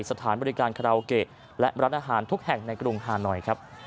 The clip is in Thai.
สถานบริการคาราโอเกะและร้านอาหารทุกแห่งในกรุงฮานอยครับ